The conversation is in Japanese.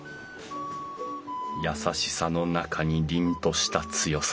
優しさの中に凜とした強さか。